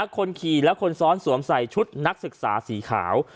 คนขี่และคนซ้อนสวมใส่ชุดนักศึกษาสีขาว